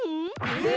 え？